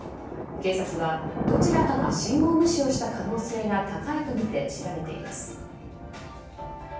警察はどちらかが信号無視をした可能性が高いとみて調べています。